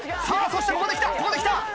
さあそしてここできた！